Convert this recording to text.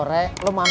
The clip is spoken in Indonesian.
selamat malam kak